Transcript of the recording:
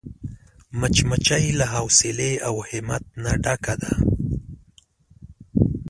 مچمچۍ له حوصلې او همت نه ډکه ده